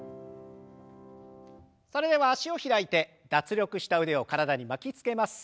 それでは脚を開いて脱力した腕を体に巻きつけます。